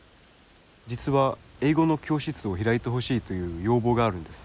実は英語の教室を開いてほしいという要望があるんです。